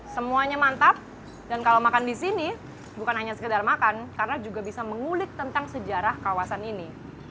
semuanya mantap dan kalau makan di sini bukan hanya sekedar makan karena juga bisa mengulik tentang sejarah kawasan ini